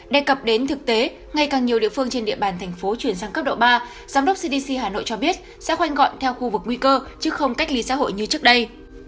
đề cập đến thực tế ngay càng nhiều địa phương trên địa bàn thành phố chuyển sang cấp độ ba giám đốc cdc hà nội cho biết sẽ khoanh gọn theo khu vực nguy cơ chứ không cách ly xã hội như trước đây